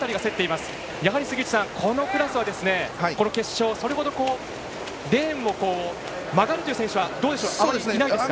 杉内さん、このクラスはこの決勝それほどレーンを曲がるという選手はあまりいないですか。